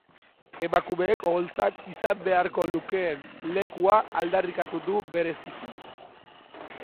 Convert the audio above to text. Emakumeek oholtzan izan beharko lukeen lekua aldarrikatu du bereziki.